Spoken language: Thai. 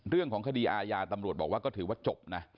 เรื่องของคดีอาญาตำรวจบอกว่าก็ถือว่าจบนะ